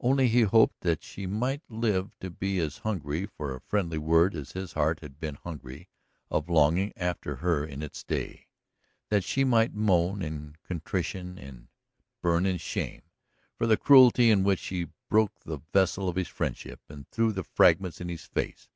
Only he hoped that she might live to be as hungry for a friendly word as his heart had been hungry of longing after her in its day; that she might moan in contrition and burn in shame for the cruelty in which she broke the vessel of his friendship and threw the fragments in his face.